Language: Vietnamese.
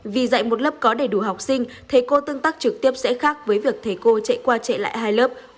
vì dạy một lớp có đầy đủ học sinh thầy cô tương tác trực tiếp sẽ khác với việc thầy cô chạy qua chạy lại hai lớp